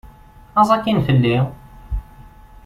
Aẓ akkin fell-i!